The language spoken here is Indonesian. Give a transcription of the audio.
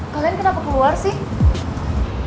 kalian kenapa keluar sih